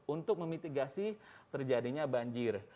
untuk memitigasi terjadinya banjir